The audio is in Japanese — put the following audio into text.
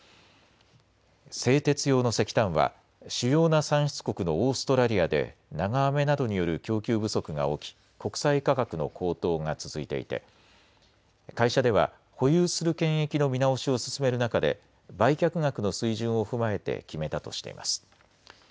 製鉄用の石炭は主要な産出国のオーストラリアで長雨などによる供給不足が起き国際価格の高騰が続いていて会社では保有する権益の見直しを進める中で売却額の水準を踏まえて決めたとしています。